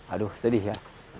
aduh sedih ya